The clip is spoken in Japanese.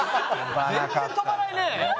全然飛ばないね。